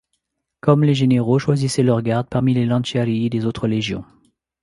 Comme les généraux choisissaient leurs gardes parmi les Lanciarii des autres légions.